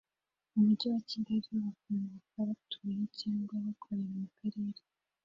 Umujyi wa Kigali bakomoka batuye cyangwa bakorera mu Karere